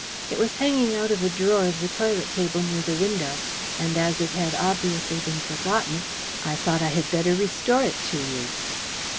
It was hanging out of a drawer of the toilet table near the window, and as it had obviously been forgotten I thought I had better restore it to you."